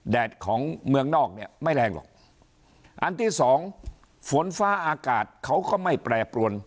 แดดของเมืองนอกเนี่ยไม่แรงหรอกอันที่สองฝนฟ้าอากาศเขาก็ไม่แปรปรวน